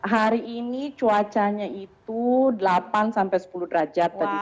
hari ini cuacanya itu delapan sampai sepuluh derajat tadi